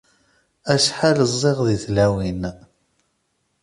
Acḥal ẓẓiɣ di tlawin.